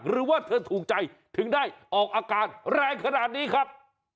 หรือว่าเธอถูกใจถึงได้ออกอาการแรงขนาดนี้ครับ